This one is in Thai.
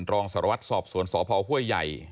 รองสารวัตรสอบสวนสพห้วยใหญ่